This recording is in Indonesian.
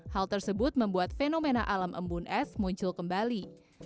hal tersebut membuat fenomena alam embun es muncul kembali